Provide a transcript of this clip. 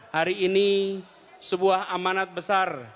hari ini sebuah amanat besar